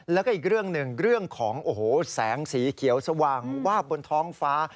แล้วก็อีกเรื่องหนึ่งเรื่องของโอ้โหแสงสีเขียวสว่างวาบบนท้องฟ้า